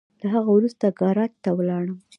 له هغه وروسته ګاراج ته ولاړم.